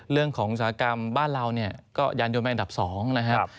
เรื่องของอุตสาหกรรมบ้านเราก็ยานยนต์ไปอันดับ๒นะครับ